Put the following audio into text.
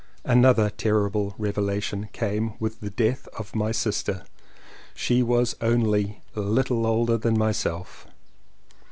Another terrible revelation came with the death of my sister. She was only a little older than myself.